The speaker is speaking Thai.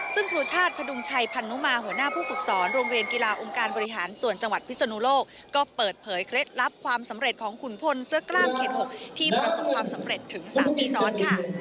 ซึ่งครูชาติพดุงชัยพันนุมาหัวหน้าผู้ฝึกสอนโรงเรียนกีฬาองค์การบริหารส่วนจังหวัดพิศนุโลกก็เปิดเผยเคล็ดลับความสำเร็จของขุนพลเสื้อกล้ามเขต๖ที่ประสบความสำเร็จถึง๓ปีซ้อนค่ะ